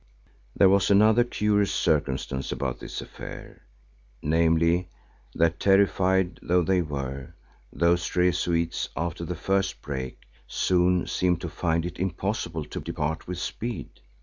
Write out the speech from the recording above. There was another curious circumstance about this affair, namely, that terrified though they were, those Rezuites, after the first break, soon seemed to find it impossible to depart with speed.